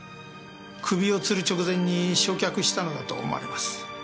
首をつる直前に焼却したのだと思われます。